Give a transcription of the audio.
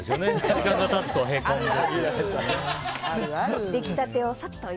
時間が経つとへこんでいく。